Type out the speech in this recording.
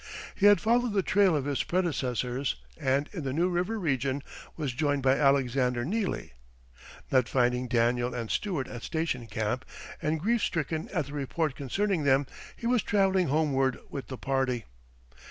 He had followed the trail of his predecessors, and in the New River region was joined by Alexander Neely. Not finding Daniel and Stuart at Station Camp, and grief stricken at the report concerning them, he was traveling homeward with the party.